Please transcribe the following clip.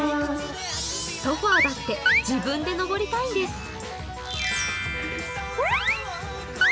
ソファーだって自分で登りたいんです。